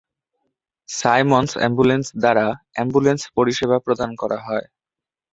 Simon's ambulance দ্বারা ambulance পরিষেবা প্রদান করা হয়।